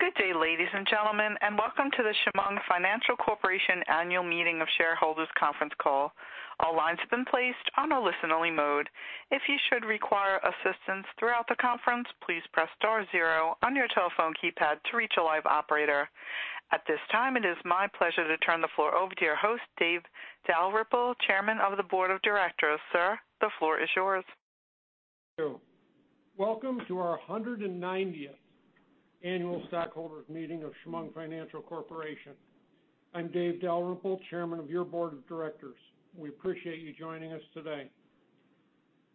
Good day, ladies and gentlemen, and welcome to the Chemung Financial Corporation Annual Meeting of Shareholders Conference Call. All lines have been placed on a listen-only mode. If you should require assistance throughout the conference, please press star zero on your telephone keypad to reach a live operator. At this time, it is my pleasure to turn the floor over to your host, Dave Dalrymple, Chairman of the Board of Directors. Sir, the floor is yours. Thank you. Welcome to our 190th annual stockholders meeting of Chemung Financial Corporation. I'm Dave Dalrymple, chairman of your board of directors. We appreciate you joining us today.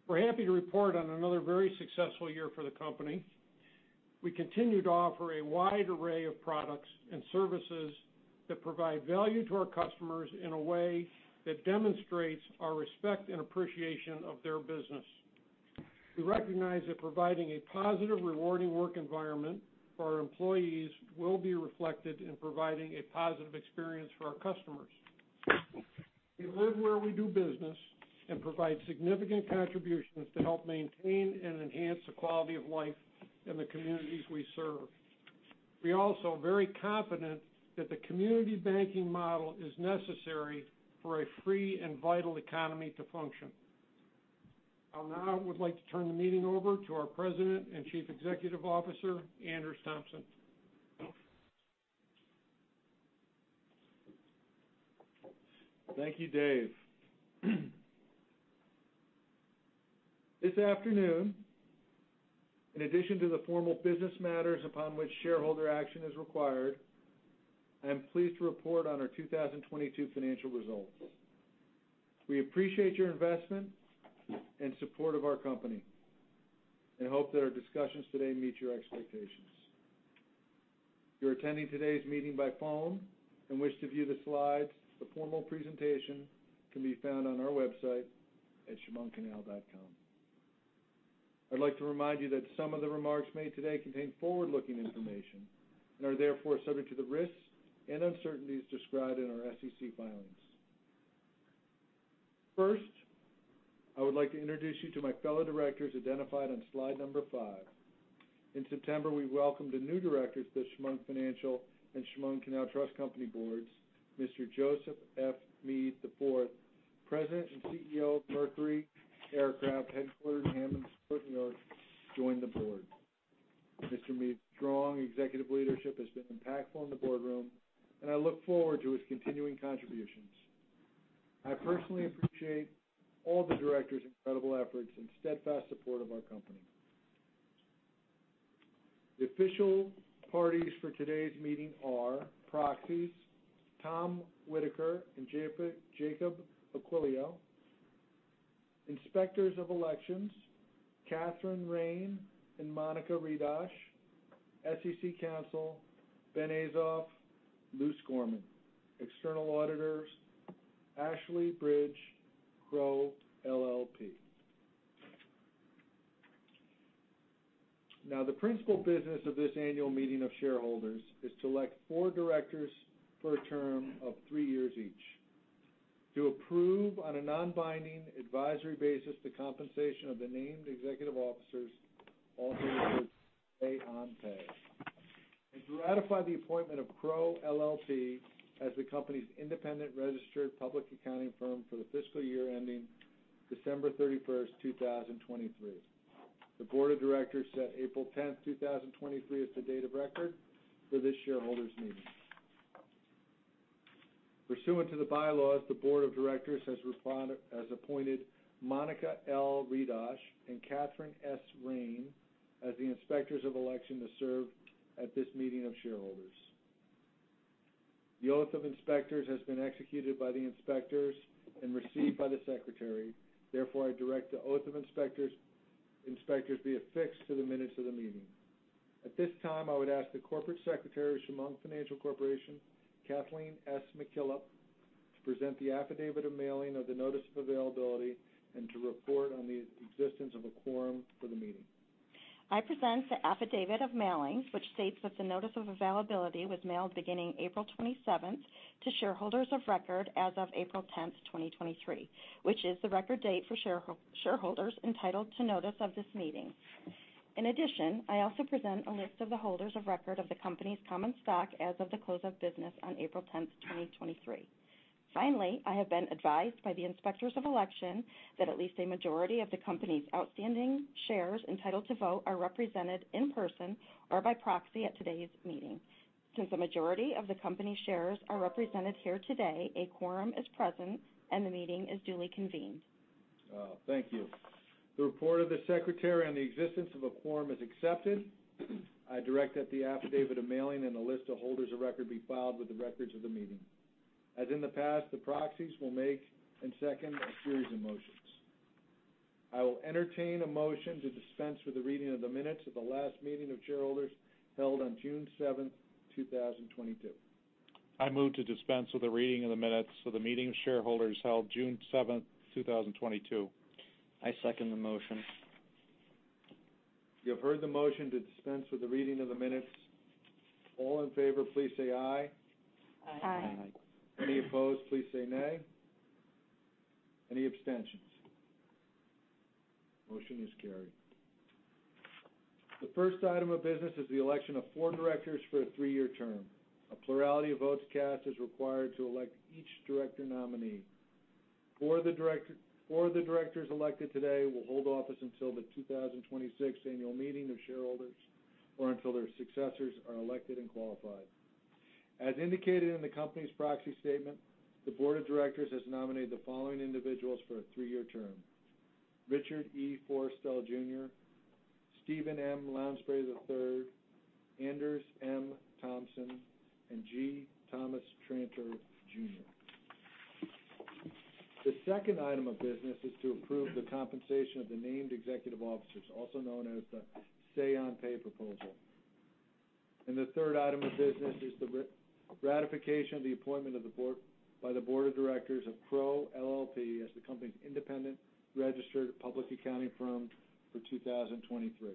We're happy to report on another very successful year for the company. We continue to offer a wide array of products and services that provide value to our customers in a way that demonstrates our respect and appreciation of their business. We recognize that providing a positive, rewarding work environment for our employees will be reflected in providing a positive experience for our customers. We live where we do business and provide significant contributions to help maintain and enhance the quality of life in the communities we serve. We are also very confident that the community banking model is necessary for a free and vital economy to function. I now would like to turn the meeting over to our President and Chief Executive Officer, Anders Tomson. Thank you, Dave. This afternoon, in addition to the formal business matters upon which shareholder action is required, I am pleased to report on our 2022 financial results. We appreciate your investment and support of our company, and hope that our discussions today meet your expectations. If you're attending today's meeting by phone and wish to view the slides, the formal presentation can be found on our website at chemungcanal.com. I'd like to remind you that some of the remarks made today contain forward-looking information and are therefore subject to the risks and uncertainties described in our SEC filings. First, I would like to introduce you to my fellow directors, identified on Slide 5. In September, we welcomed the new directors to the Chemung Financial and Chemung Canal Trust Company boards. Mr. Joseph F. Meade IV, President and CEO of Mercury Aircraft, headquartered in Hammondsport, New York, joined the board. Mr. Meade's strong executive leadership has been impactful in the boardroom, and I look forward to his continuing contributions. I personally appreciate all the directors' incredible efforts and steadfast support of our company. The official parties for today's meeting are proxies, Tom Whitaker and Jacob Aquilio. Inspectors of Elections, Katharine Rien and Monica Redosh, SEC Counsel, Ben Azoff, Luse Gorman. External auditors, Crowe LLP. The principal business of this annual meeting of shareholders is to elect four Directors for a term of three years each, to approve on a non-binding advisory basis the compensation of the named executive officers, also known as say on pay. To ratify the appointment of Crowe LLP as the company's independent registered public accounting firm for the fiscal year ending December 31st, 2023. The board of directors set April 10th, 2023, as the date of record for this shareholders meeting. Pursuant to the bylaws, the board of directors has appointed Monica L. Redosh and Katharine S. Rien as the inspectors of election to serve at this meeting of shareholders. The oath of inspectors has been executed by the inspectors and received by the secretary. Therefore, I direct the oath of inspectors be affixed to the minutes of the meeting. At this time, I would ask the Corporate Secretary of Chemung Financial Corporation, Kathleen S. McKillip, to present the affidavit of mailing of the notice of availability and to report on the existence of a quorum for the meeting. I present the affidavit of mailing, which states that the notice of availability was mailed beginning April 27th, to shareholders of record as of April 10th, 2023, which is the record date for shareholders entitled to notice of this meeting. In addition, I also present a list of the holders of record of the company's common stock as of the close of business on April 10th, 2023. Finally, I have been advised by the inspectors of election that at least a majority of the company's outstanding shares entitled to vote, are represented in person or by proxy at today's meeting. Since a majority of the company's shares are represented here today, a quorum is present and the meeting is duly convened. Thank you. The report of the secretary on the existence of a quorum is accepted. I direct that the affidavit of mailing and the list of holders of record be filed with the records of the meeting. As in the past, the proxies will make, and second, a series of motions. I will entertain a motion to dispense with the reading of the minutes of the last meeting of shareholders held on June 7th, 2022. I move to dispense with the reading of the minutes of the meeting of shareholders held June 7, 2022. I second the motion. You have heard the motion to dispense with the reading of the minutes. All in favor, please say aye. Aye. Aye. Aye. Any opposed, please say nay. Any abstentions? Motion is carried. The first item of business is the election of four Directors for a three-year term. A plurality of votes cast is required to elect each director nominee. Four of the Directors elected today will hold office until the 2026 annual meeting of shareholders, or until their successors are elected and qualified. As indicated in the company's proxy statement, the board of directors has nominated the following individuals for a three-year term: Richard E. Forrestel Jr., Stephen M. Lounsberry III, Anders M. Tomson, and G. Thomas Tranter Jr. The second item of business is to approve the compensation of the named executive officers, also known as the say on pay proposal. The third item of business is the ratification of the appointment by the board of directors of Crowe LLP, as the company's independent registered public accounting firm for 2023.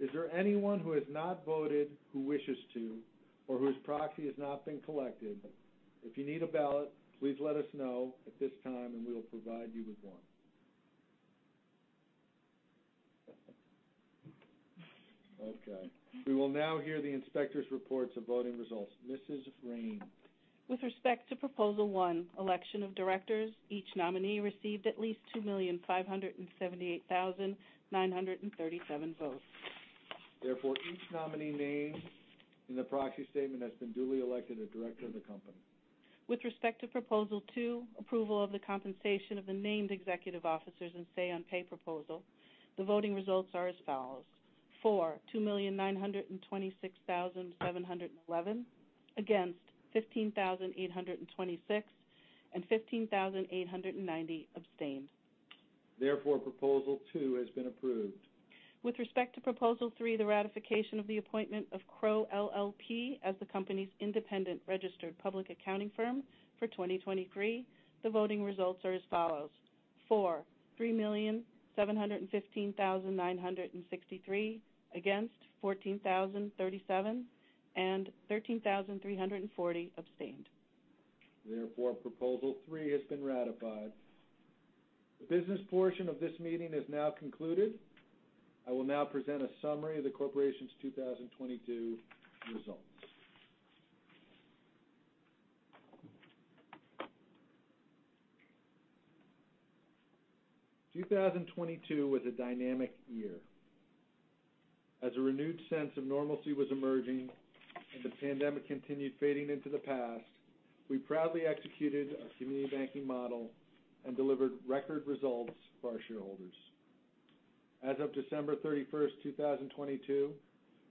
Is there anyone who has not voted, who wishes to, or whose proxy has not been collected? If you need a ballot, please let us know at this time, and we will provide you with one. We will now hear the inspector's reports of voting results. Mrs. Rien. With respect to proposal 1, election of directors, each nominee received at least 2,578,937 votes. Therefore, each nominee named in the proxy statement has been duly elected a director of the company. With respect to proposal 2, approval of the compensation of the named executive officers and say on pay proposal, the voting results are as follows: for, 2,926,711, against, 15,826, and 15,890 abstained. Therefore, proposal two has been approved. With respect to proposal 3, the ratification of the appointment of Crowe LLP as the company's independent registered public accounting firm for 2023, the voting results are as follows: for, 3,715,963; against, 14,037; and 13,340 abstained. Therefore, proposal 3 has been ratified. The business portion of this meeting is now concluded. I will now present a summary of the corporation's 2022 results. 2022 was a dynamic year. As a renewed sense of normalcy was emerging and the pandemic continued fading into the past, we proudly executed our community banking model and delivered record results for our shareholders. As of December 31st, 2022,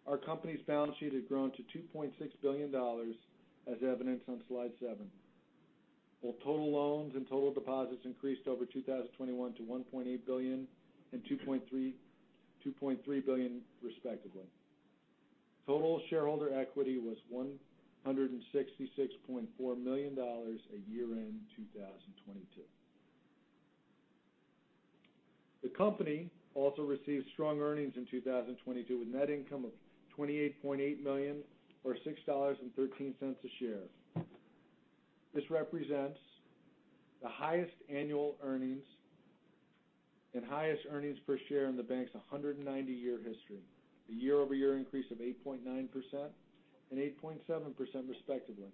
our company's balance sheet had grown to $2.6 billion, as evidenced on Slide 7, while total loans and total deposits increased over 2021 to $1.8 billion and $2.3 billion, respectively. Total shareholder equity was $166.4 million at year-end 2022. The company also received strong earnings in 2022, with net income of $28.8 million, or $6.13 a share. This represents the highest annual earnings and highest earnings per share in the bank's 190-year history, a year-over-year increase of 8.9% and 8.7%, respectively.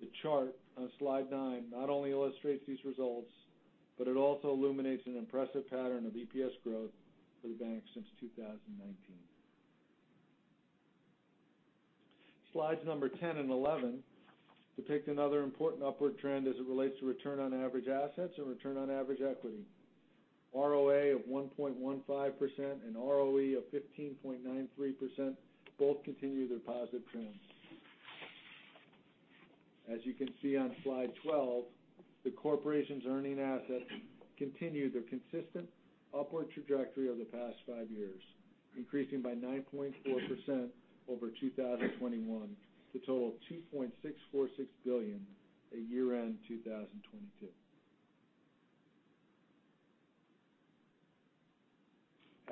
The chart on Slide 9 not only illustrates these results, but it also illuminates an impressive pattern of EPS growth for the bank since 2019. Slides 10 and 11 depict another important upward trend as it relates to return on average assets and return on average equity. ROA of 1.15% and ROE of 15.93% both continue their positive trends. As you can see on Slide 12, the corporation's earning assets continue their consistent upward trajectory over the past five years, increasing by 9.4% over 2021, to total $2.646 billion at year-end 2022.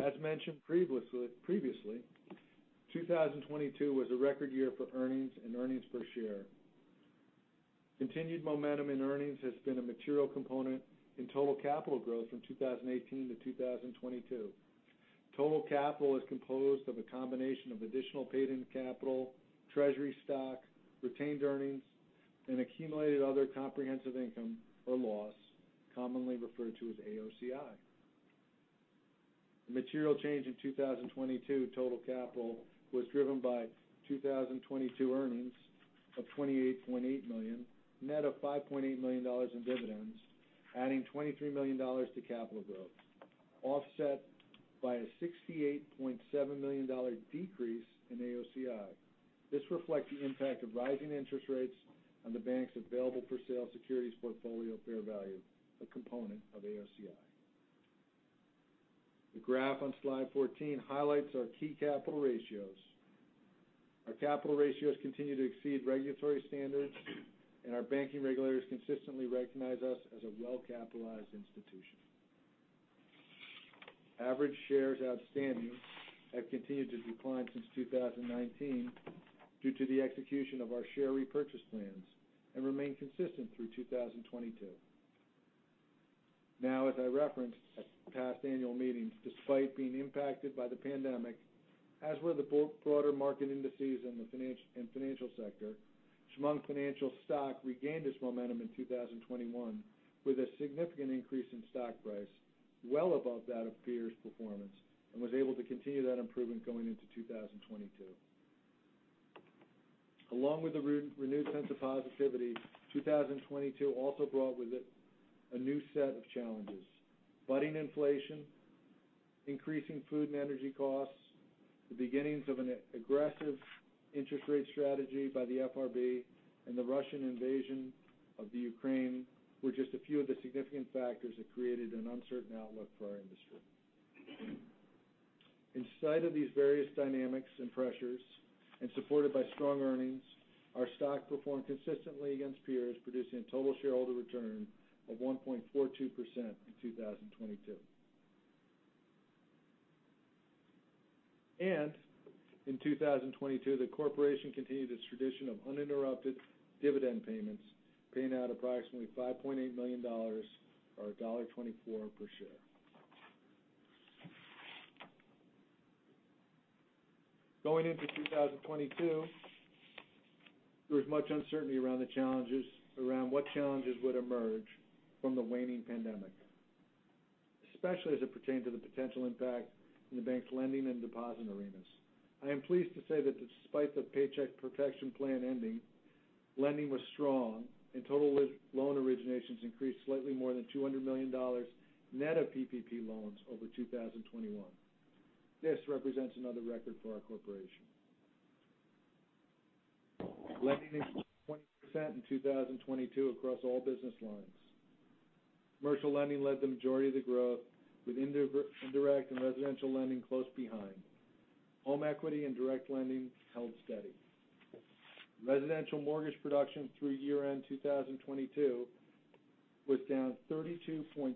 As mentioned previously, 2022 was a record year for earnings and earnings per share. Continued momentum in earnings has been a material component in total capital growth from 2018 to 2022. Total capital is composed of a combination of additional paid-in capital, treasury stock, retained earnings, and accumulated other comprehensive income or loss, commonly referred to as AOCI. The material change in 2022 total capital was driven by 2022 earnings of $28.8 million, net of $5.8 million in dividends, adding $23 million to capital growth, offset by a $68.7 million decrease in AOCI. This reflects the impact of rising interest rates on the bank's Available-for-Sale securities portfolio fair value, a component of AOCI. The graph on Slide 14 highlights our key capital ratios. Our capital ratios continue to exceed regulatory standards, and our banking regulators consistently recognize us as a well-capitalized institution. average shares outstanding have continued to decline since 2019 due to the execution of our share repurchase plans and remain consistent through 2022. Now, as I referenced at past annual meetings, despite being impacted by the pandemic, as were the broader market indices in financial sector, Chemung Financial stock regained its momentum in 2021, with a significant increase in stock price, well above that of peers' performance, and was able to continue that improvement going into 2022. Along with the renewed sense of positivity, 2022 also brought with it a new set of challenges. Budding inflation, increasing food and energy costs, the beginnings of an aggressive interest rate strategy by the FRB, and the Russian invasion of the Ukraine were just a few of the significant factors that created an uncertain outlook for our industry. In spite of these various dynamics and pressures, supported by strong earnings, our stock performed consistently against peers, producing a total shareholder return of 1.42% in 2022. In 2022, the corporation continued its tradition of uninterrupted dividend payments, paying out approximately $5.8 million, or $1.24 per share. Going into 2022, there was much uncertainty around what challenges would emerge from the waning pandemic, especially as it pertained to the potential impact in the bank's lending and deposit arenas. I am pleased to say that despite the Paycheck Protection Program ending, lending was strong, and total loan originations increased slightly more than $200 million net of PPP loans over 2021. This represents another record for our corporation. Lending increased 20% in 2022 across all business lines. Commercial lending led the majority of the growth, with indirect and residential lending close behind. Home equity and direct lending held steady. Residential mortgage production through year-end 2022 was down 32.2%,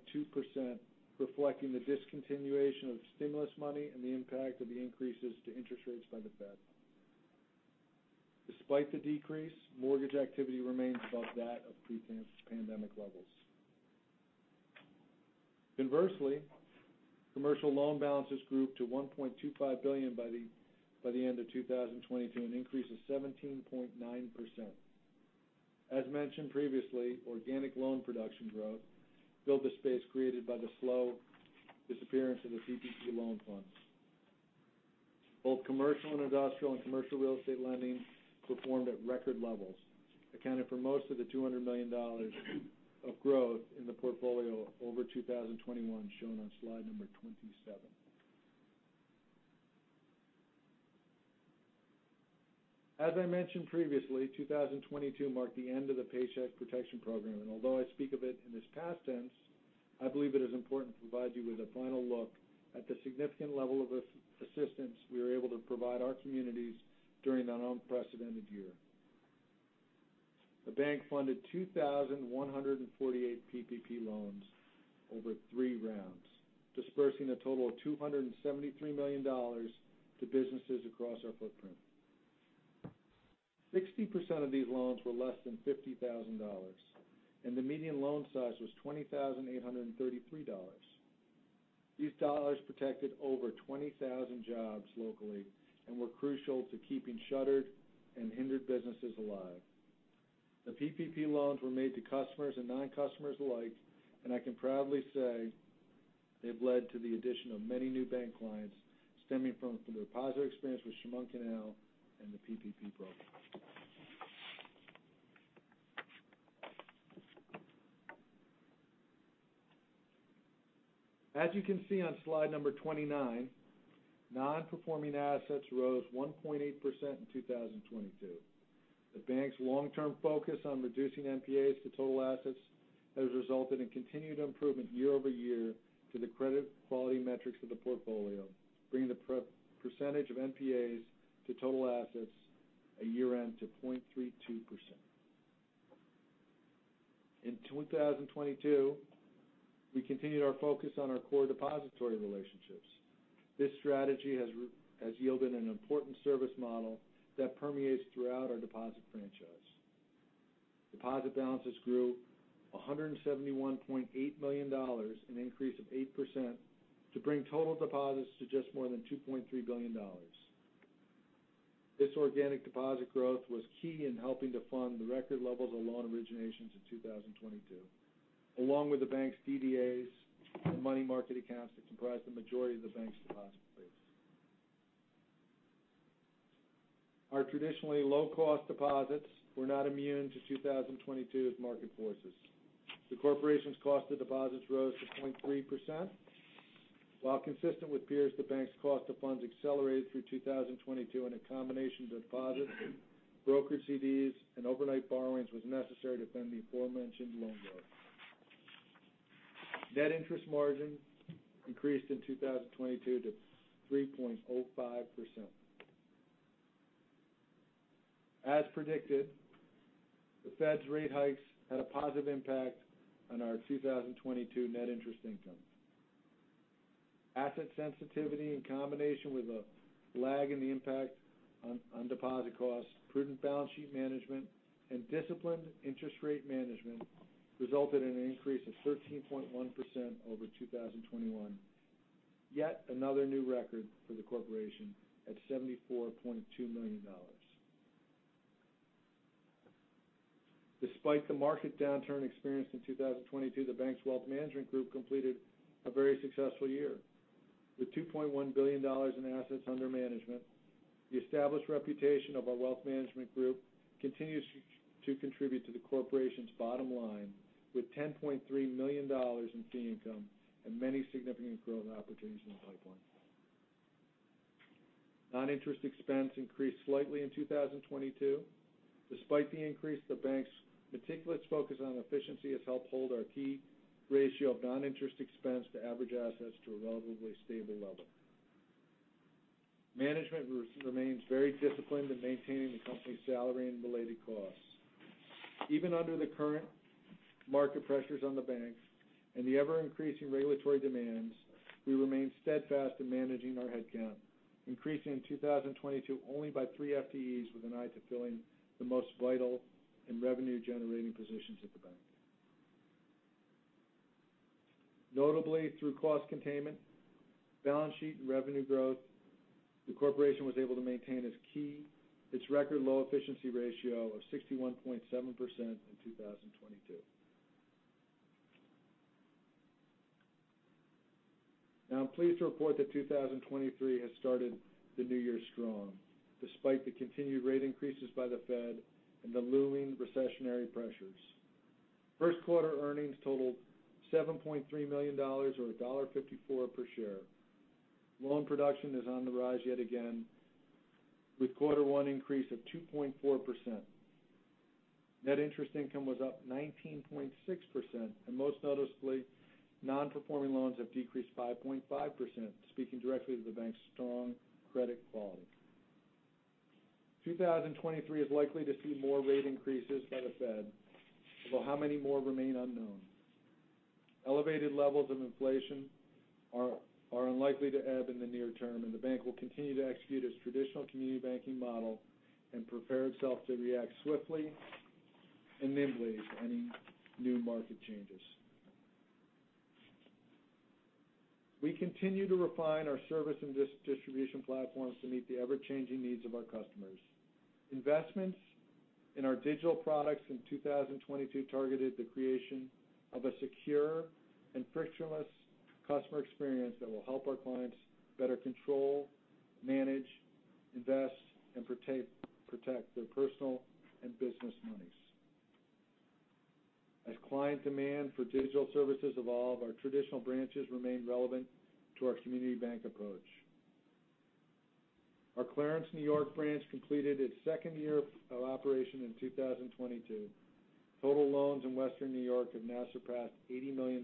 reflecting the discontinuation of the stimulus money and the impact of the increases to interest rates by the Fed. Despite the decrease, mortgage activity remains above that of pre-pandemic levels. Conversely, commercial loan balances grew to $1.25 billion by the end of 2022, an increase of 17.9%. As mentioned previously, organic loan production growth filled the space created by the slow disappearance of the PPP loan funds. Both commercial and industrial and commercial real estate lending performed at record levels, accounting for most of the $200 million of growth in the portfolio over 2021, shown on Slide 27. I mentioned previously, 2022 marked the end of the Paycheck Protection Program, and although I speak of it in this past tense, I believe it is important to provide you with a final look at the significant level of assistance we were able to provide our communities during that unprecedented year. The bank funded 2,148 PPP loans over three rounds, disbursing a total of $273 million to businesses across our footprint. 60% of these loans were less than $50,000, and the median loan size was $20,833. These dollars protected over 20,000 jobs locally and were crucial to keeping shuttered and hindered businesses alive. The PPP loans were made to customers and non-customers alike, and I can proudly say they've led to the addition of many new bank clients stemming from the positive experience with Chemung Canal and the PPP program. As you can see on Slide 29, non-performing assets rose 1.8% in 2022. The bank's long-term focus on reducing NPAs to total assets has resulted in continued improvement year-over-year to the credit quality metrics of the portfolio, bringing the percentage of NPAs to total assets at year-end to 0.32%. In 2022, we continued our focus on our core depository relationships. This strategy has yielded an important service model that permeates throughout our deposit franchise. Deposit balances grew $171.8 million, an increase of 8%, to bring total deposits to just more than $2.3 billion. This organic deposit growth was key in helping to fund the record levels of loan originations in 2022, along with the bank's CDs and money market accounts that comprise the majority of the bank's deposit base. Our traditionally low-cost deposits were not immune to 2022's market forces. The corporation's cost of deposits rose to 0.3%. While consistent with peers, the bank's Cost of Funds accelerated through 2022, and a combination of deposits, Brokered CDs, and overnight borrowings was necessary to fund the aforementioned loan growth. Net interest margin increased in 2022 to 3.05%. As predicted, the Fed's rate hikes had a positive impact on our 2022 net interest income. Asset sensitivity, in combination with a lag in the impact on deposit costs, prudent balance sheet management, and disciplined interest rate management, resulted in an increase of 13.1% over 2021. Yet another new record for the corporation at $74.2 million. Despite the market downturn experienced in 2022, the bank's wealth management group completed a very successful year. With $2.1 billion in assets under management, the established reputation of our wealth management group continues to contribute to the corporation's bottom line, with $10.3 million in fee income and many significant growth opportunities in the pipeline. Non-interest expense increased slightly in 2022. Despite the increase, the bank's meticulous focus on efficiency has helped hold our key ratio of non-interest expense to average assets to a relatively stable level. Management remains very disciplined in maintaining the company's salary and related costs. Even under the current market pressures on the bank and the ever-increasing regulatory demands, we remain steadfast in managing our headcount, increasing in 2022 only by 3 FTEs, with an eye to filling the most vital and revenue-generating positions at the bank. Notably, through cost containment, balance sheet, and revenue growth, the corporation was able to maintain its record low efficiency ratio of 61.7% in 2022. I'm pleased to report that 2023 has started the new year strong, despite the continued rate increases by the Fed and the looming recessionary pressures. First quarter earnings totaled $7.3 million or $1.54 per share. Loan production is on the rise yet again, with quarter one increase of 2.4%. Net interest income was up 19.6%. Most noticeably, non-performing loans have decreased 5.5%, speaking directly to the bank's strong credit quality. 2023 is likely to see more rate increases by the Fed, although how many more remain unknown. Elevated levels of inflation are unlikely to ebb in the near term. The bank will continue to execute its traditional community banking model and prepare itself to react swiftly and nimbly to any new market changes. We continue to refine our service and distribution platforms to meet the ever-changing needs of our customers. Investments in our digital products in 2022 targeted the creation of a secure and frictionless customer experience that will help our clients better control, manage, invest, and protect their personal and business monies. As client demand for digital services evolve, our traditional branches remain relevant to our community bank approach. Our Clarence, New York branch completed its second year of operation in 2022. Total loans in Western New York have now surpassed $80 million,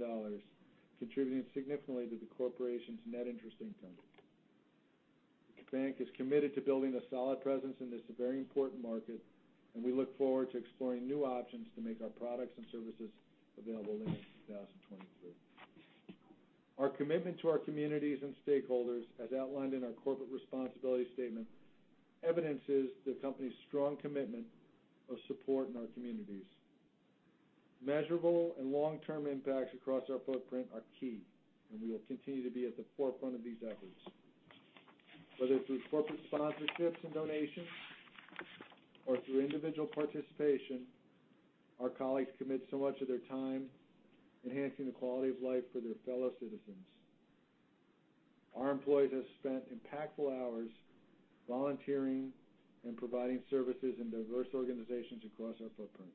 contributing significantly to the corporation's net interest income. The bank is committed to building a solid presence in this very important market. We look forward to exploring new options to make our products and services available there in 2023. Our commitment to our communities and stakeholders, as outlined in our corporate responsibility statement, evidences the company's strong commitment of support in our communities. Measurable and long-term impacts across our footprint are key, and we will continue to be at the forefront of these efforts. Whether through corporate sponsorships and donations or through individual participation, our colleagues commit so much of their time enhancing the quality of life for their fellow citizens. Our employees have spent impactful hours volunteering and providing services in diverse organizations across our footprint.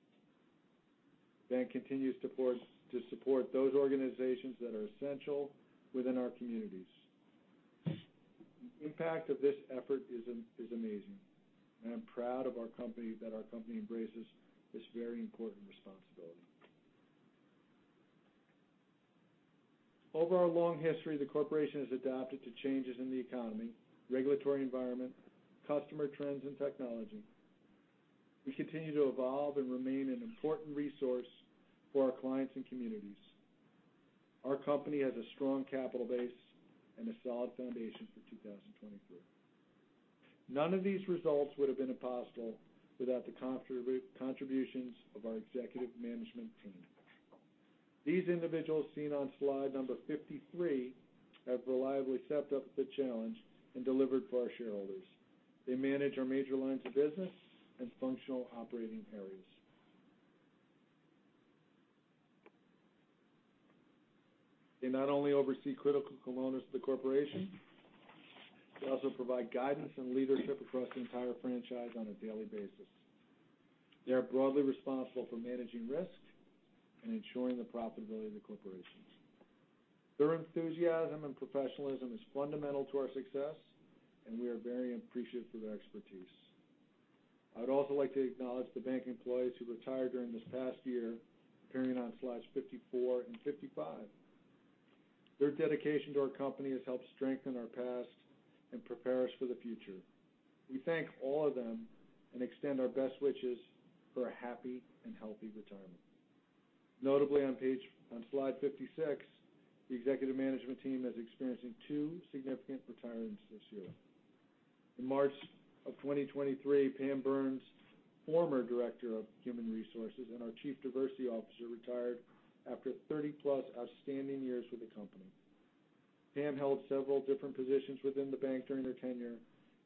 The bank continues to support those organizations that are essential within our communities. The impact of this effort is amazing, and I'm proud of our company -- that our company embraces this very important responsibility. Over our long history, the corporation has adapted to changes in the economy, regulatory environment, customer trends, and technology. We continue to evolve and remain an important resource for our clients and communities. Our company has a strong capital base and a solid foundation for 2023. None of these results would have been possible without the contributions of our executive management team. These individuals, seen on Slide 53, have reliably stepped up to the challenge and delivered for our shareholders. They manage our major lines of business and functional operating areas. They not only oversee critical components of the Corporation, they also provide guidance and leadership across the entire franchise on a daily basis. They are broadly responsible for managing risk and ensuring the profitability of the Corporation. Their enthusiasm and professionalism is fundamental to our success, and we are very appreciative of their expertise. I'd also like to acknowledge the bank employees who retired during this past year, appearing on Slides 54 and 55. Their dedication to our company has helped strengthen our past and prepare us for the future. We thank all of them and extend our best wishes for a happy and healthy retirement. Notably, on Slide 56, the executive management team is experiencing two significant retirements this year. In March of 2023, Pam Burns, former Director of Human Resources and our Chief Diversity Officer, retired after 30-plus outstanding years with the company. Pam held several different positions within the bank during her tenure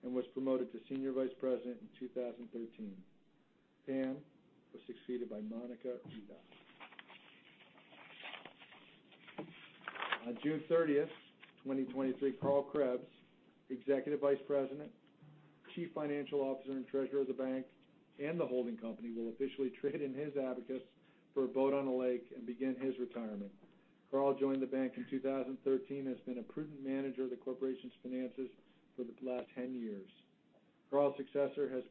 and was promoted to Senior Vice President in 2013. Pam was succeeded by Monica Redosh. On June 30th, 2023, Karl Krebs, Executive Vice President, Chief Financial Officer, and Treasurer of the bank and the holding company, will officially trade in his abacus for a boat on a lake and begin his retirement. Karl joined the bank in 2013 and has been a prudent manager of the corporation's finances for the last 10 years. Karl's successor has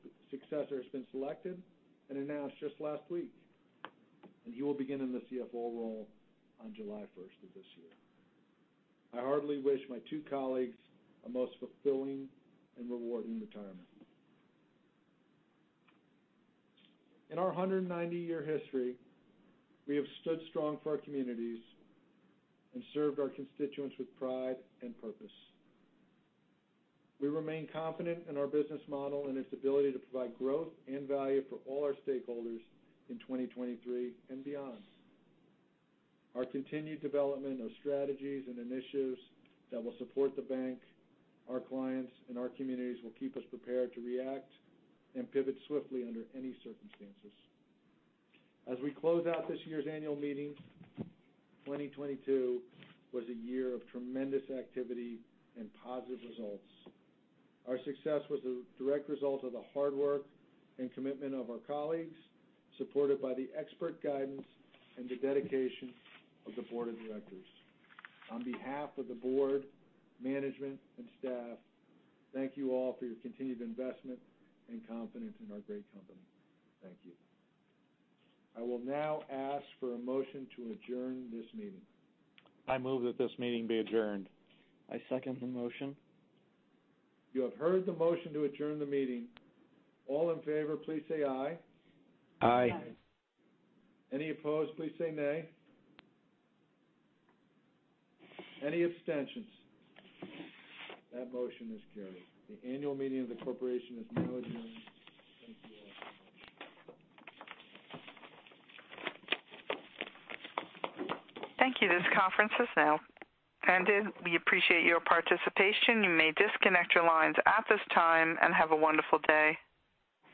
been selected and announced just last week, and he will begin in the CFO role on July 1st of this year. I heartily wish my two colleagues a most fulfilling and rewarding retirement. In our 190-year history, we have stood strong for our communities and served our constituents with pride and purpose. We remain confident in our business model and its ability to provide growth and value for all our stakeholders in 2023 and beyond. Our continued development of strategies and initiatives that will support the bank, our clients, and our communities will keep us prepared to react and pivot swiftly under any circumstances. As we close out this year's annual meeting, 2022 was a year of tremendous activity and positive results. Our success was a direct result of the hard work and commitment of our colleagues, supported by the expert guidance and the dedication of the board of directors. On behalf of the board, management, and staff, thank you all for your continued investment and confidence in our great company. Thank you. I will now ask for a motion to adjourn this meeting. I move that this meeting be adjourned. I second the motion. You have heard the motion to adjourn the meeting. All in favor, please say aye. Aye. Aye. Any opposed, please say nay. Any abstentions? That motion is carried. The annual meeting of the corporation is now adjourned. Thank you all. Thank you. This conference is now ended. We appreciate your participation. You may disconnect your lines at this time, and have a wonderful day.